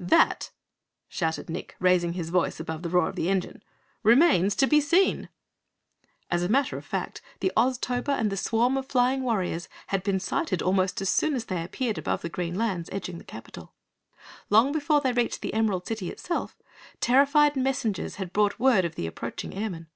"That," shouted Nick, raising his voice above the roar of the engine, "remains to be seen!" As a matter of fact, the Oztober and the swarm of flying Warriors had been sighted almost as soon as they appeared above the green lands edging the capitol. Long before they reached the Emerald City itself, terrified messengers had brought word of the approaching airmen.